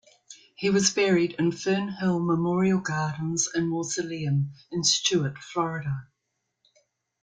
He was buried in Fernhill Memorial Gardens and Mausoleum in Stuart, Florida.